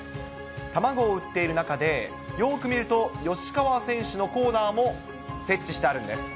卵を売っている中で、よく見ると吉川選手のコーナーも設置してあるんです。